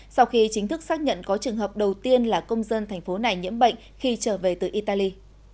sau khi chính thức xác nhận có trường hợp đầu tiên là công dân thành phố này nhiễm bệnh khi trở về từ italy